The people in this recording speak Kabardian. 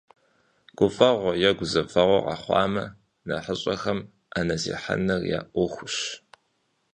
Гуфӏэгъуэ е гузэвэгъуэ къэхъуамэ, нэхъыщӏэхэм, ӏэнэ зехьэныр я ӏуэхущ.